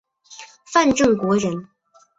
范正国人。